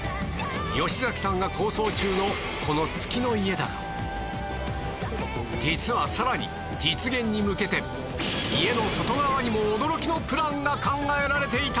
吉崎さんが構想中のこの月の家だが実はさらに実現に向けて家の外側にも驚きのプランが考えられていた！